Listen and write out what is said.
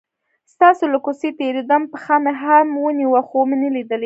ستاسو له کوڅې تیرېدم، پښه مې هم ونیوه خو ومې نه لیدلې.